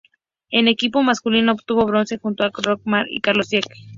En equipo masculino obtuvo bronce junto a Roland Keller y Carlos Keller.